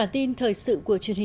kết quả vângyes